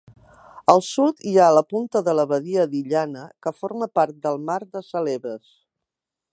Al sud hi ha la punta de la badia d'Illana, que forma part del mar de Celebes.